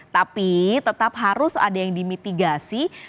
tapi tetap harus ada yang dimitigasi